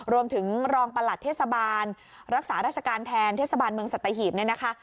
รองประหลัดเทศบาลรักษาราชการแทนเทศบาลเมืองสัตหีบเนี่ยนะคะ